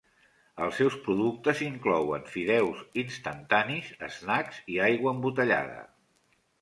Els seus productes inclouen fideus instantanis, snacks i aigua embotellada.